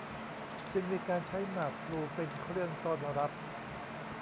จึงมีการใช้หมากพลูเป็นเครื่องต้อนรับ